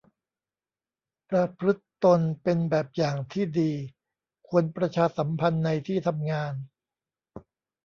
ประพฤติตนเป็นแบบอย่างที่ดี ควรประชาสัมพันธ์ในที่ทำงาน